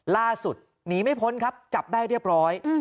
ล่าสุดหนีไม่พ้นครับจับได้เรียบร้อย